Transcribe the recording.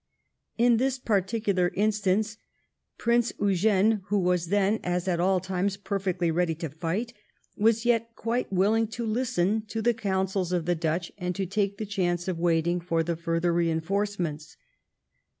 In this par ticular instance Prince Eugene, who was then as at all times perfectly ready to fight, was yet quite willing to listen to the counsels of the Dutch and to take the chance of waiting for the further reinforce ments.